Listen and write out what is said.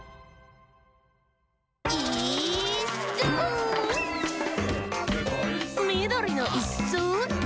「イーッス」「みどりのイッス」